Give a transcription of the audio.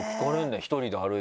１人で歩いてると。